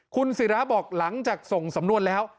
คุณศิราบอกหลังจากส่งสำนวนแล้ว